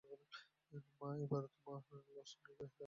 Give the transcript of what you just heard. – মা, এইবার তোমার লছমিয়াকে ডাকো।